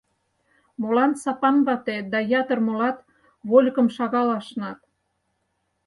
Молан Сапан вате да ятыр молат вольыкым шагал ашнат?